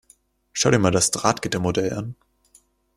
Schau dir mal das Drahtgittermodell an.